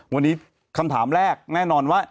วันนี้คำถามแรกแน่นอนว่า